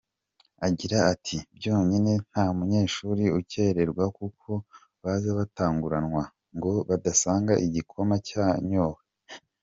Agira ati “Byonyine nta munyeshuri ukererwa kuko baza batanguranwa ngo badasanga igikoma cyanyowe.